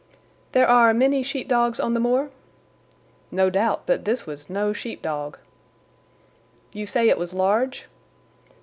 "There are many sheep dogs on the moor?" "No doubt, but this was no sheep dog." "You say it was large?"